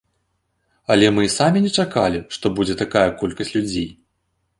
Але мы і самі не чакалі, што будзе такая колькасць людзей.